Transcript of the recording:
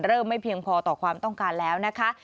ไม่เพียงพอต่อความต้องการแล้วนะคะ